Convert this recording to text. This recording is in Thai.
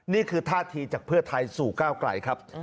นี่คือท่าทีจากเพื่อไทยสู่ก้าวไกลครับ